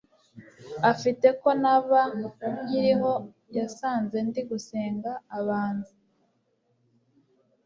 afite ko naba nkiriho yasanze ndi gusenga abanza